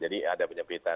jadi ada penyempitan